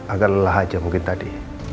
agar lelah aja mungkin tadi